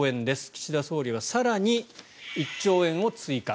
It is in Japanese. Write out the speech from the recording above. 岸田総理は更に１兆円を追加。